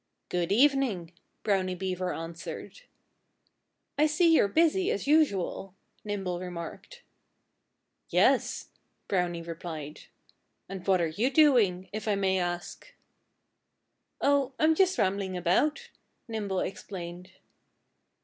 "Good evening!" Brownie Beaver answered. "I see you're busy, as usual," Nimble remarked. "Yes!" Brownie replied. "And what are you doing if I may ask?" "Oh! I'm just rambling about," Nimble explained.